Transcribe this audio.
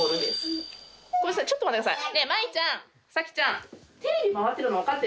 ごめんなさいちょっと待ってください。